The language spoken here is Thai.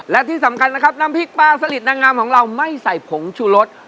และที่สำคัญนะครับน้ำพริกปลาสลิดนางงามของเราไม่ใส่ผงชูรส